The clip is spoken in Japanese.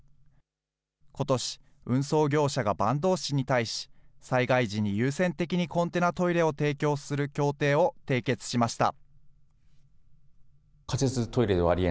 ことし、運送業者が坂東市に対し、災害時に優先的にコンテナトイレを提供する協定を締結しました。